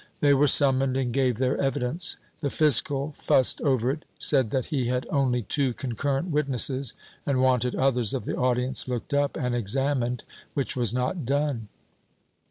They were summoned and gave their evidence. The fiscal fussed over it, said that he had only two concurrent witnesses, and wanted others of the audience looked up and examined, which w^as not done.